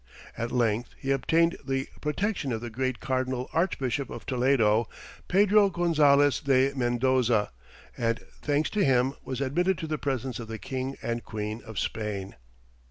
At length he obtained the protection of the great cardinal archbishop of Toledo, Pedro Gonzalez de Mendoza, and thanks to him, was admitted into the presence of the King and Queen of Spain.